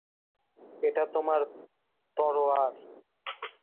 এটা তোমার তরোয়ার?